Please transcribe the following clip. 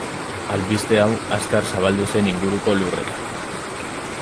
Albiste hau azkar zabaldu zen inguruko lurretan.